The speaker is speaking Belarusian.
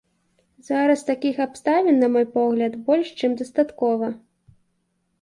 Зараз такіх абставін, на мой погляд, больш чым дастаткова.